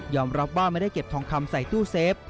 รับว่าไม่ได้เก็บทองคำใส่ตู้เซฟ